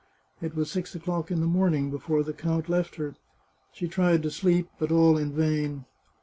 It was six o'clock in the morning before the count left her. She tried to sleep, but all in vain.